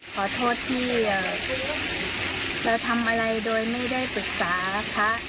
ขอโทษที่เราทำอะไรโดยไม่ได้ปรึกษานะคะ